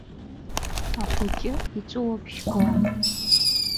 Ахәыҷы иҵәуабжь гон.